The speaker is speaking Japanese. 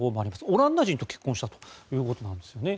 オランダ人と結婚したということなんですよね。